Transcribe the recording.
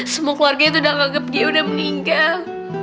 semua keluarganya itu udah menganggap dia udah meninggal